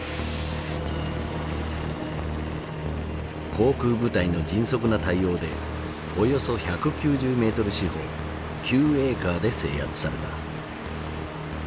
航空部隊の迅速な対応でおよそ１９０メートル四方９エーカーで制圧された。